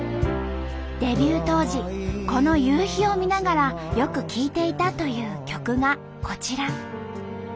デビュー当時この夕日を見ながらよく聴いていたという曲がこちら。